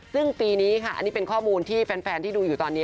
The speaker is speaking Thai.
ซึ่งปีนี้ค่ะอันนี้เป็นข้อมูลที่แฟนที่ดูอยู่ตอนนี้